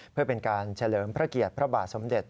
เพื่อเป็นการเฉลิมพระเกียรติพระบาทสมเด็จ